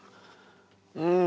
うん。